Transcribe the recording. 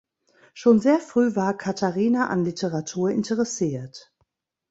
Schon sehr früh war Katharina an Literatur interessiert.